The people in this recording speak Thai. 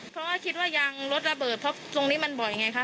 เพราะว่าคิดว่ายางรถระเบิดเพราะตรงนี้มันบ่อยไงคะ